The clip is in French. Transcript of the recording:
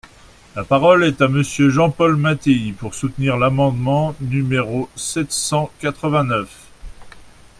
La parole est à Monsieur Jean-Paul Mattei, pour soutenir l’amendement numéro sept cent quatre-vingt-neuf.